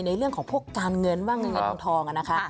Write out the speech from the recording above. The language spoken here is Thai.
ในเรื่องของพวกการเงินบ้างเงินเงินทองนะคะ